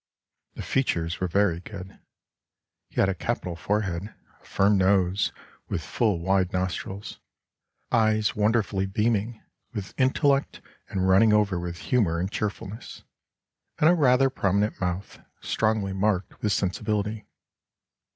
The features were very good. He had a capital forehead, a firm nose with full wide nostrils, eyes wonderfully beaming with intellect and running over with humour and cheerfulness, and a rather prominent mouth strongly marked with sensibility.